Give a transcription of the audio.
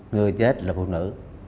người chết là phụ nữ